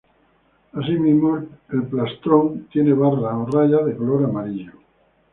Asimismo, el plastrón tiene barras o rayas de color amarillo.